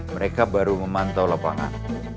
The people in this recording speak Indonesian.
mereka baru memantau lapangan